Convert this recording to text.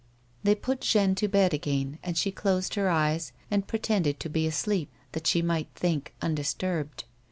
They put Jeanne to bed again, and she closed her eyes and pretended to be asleep that she might think undisturbed.